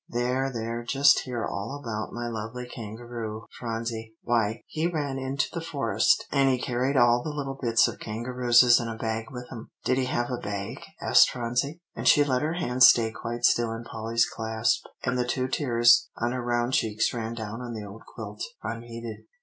"There, there, just hear all about my lovely kangaroo, Phronsie; why, he ran into the forest, and he carried all the little bits of kangarooses in a bag with him." "Did he have a bag?" asked Phronsie. And she let her hands stay quite still in Polly's clasp, and the two tears on her round cheeks ran down on the old quilt unheeded.